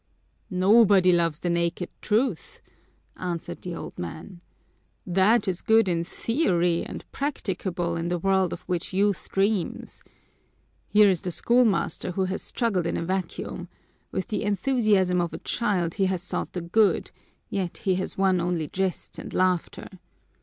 "Nobody loves the naked truth!" answered the old man. "That is good in theory and practicable in the world of which youth dreams. Here is the schoolmaster, who has struggled in a vacuum; with the enthusiasm of a child, he has sought the good, yet he has won only jests and laughter.